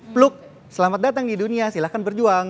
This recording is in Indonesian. peluk selamat datang di dunia silahkan berjuang